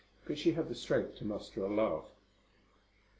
But she had the strength to muster a laugh.